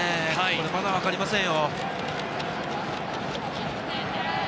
まだ分かりませんよ。